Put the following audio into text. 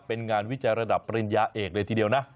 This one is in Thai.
เป็นงานวิจัยระดับปริญญาเอกเลยทีเดียวนะ